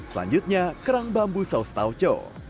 selanjutnya kerang bambu saus tauco